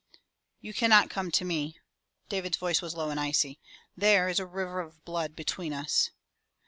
"You cannot come to me," David's voice was low and icy. "There is a river of blood between us."